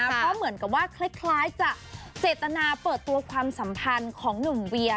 เพราะเหมือนกับว่าคล้ายจะเจตนาเปิดตัวความสัมพันธ์ของหนุ่มเวีย